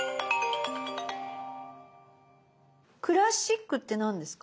「クラシック」って何ですか？